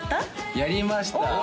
やりました